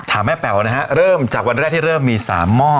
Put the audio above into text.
แม่แป๋วนะฮะเริ่มจากวันแรกที่เริ่มมี๓หม้อ